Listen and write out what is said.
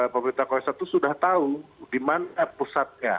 pemerintah korea selatan itu sudah tahu di mana pusatnya